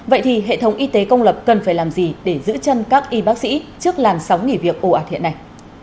vậy thì hệ thống y tế công lập cần phải làm gì để giữ chân các y bác sĩ trước làn sóng nghỉ việc ồ ạt hiện nay